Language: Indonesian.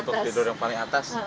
untuk tidur yang paling atas